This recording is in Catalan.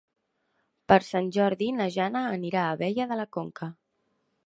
Per Sant Jordi na Jana anirà a Abella de la Conca.